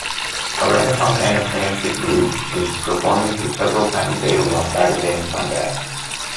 A Renaissance anachronistic group does performances several times daily on Saturday and Sunday.